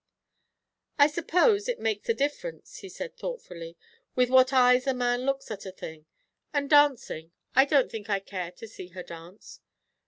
"I suppose it makes a difference," he said thoughtfully, "with what eyes a man looks at a thing. And dancing I don't think I care to see her dance."